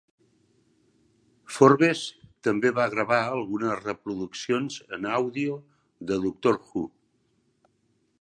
Forbes també va gravar algunes reproduccions en àudio de Doctor Who.